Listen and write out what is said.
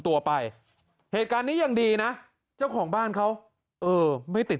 ตัวไปเหตุการณ์นี้ยังดีนะเจ้าของบ้านเขาเออไม่ติด